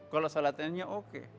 kalau shalatannya oke